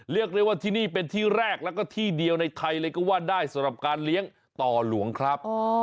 เรียกได้ว่าที่นี่เป็นที่แรกแล้วก็ที่เดียวในไทยเลยก็ว่าได้สำหรับการเลี้ยงต่อหลวงครับ